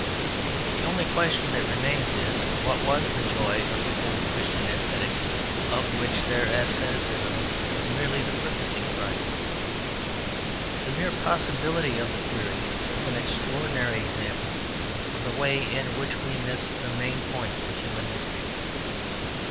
The only question that remains is what was the joy of the old Christian ascetics of which their ascetism was merely the purchasing price. The mere possibility of the query is an extraordinary example of the way in which we miss the main points of human history.